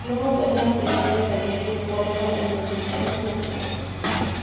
Luego fue transferido a Talleres de Córdoba en donde casi no jugó.